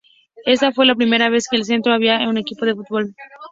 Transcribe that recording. Esta fue la primera vez que en el centro había un equipo de fútbol.